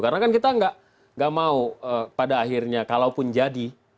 karena kan kita tidak mau pada akhirnya kalaupun jadi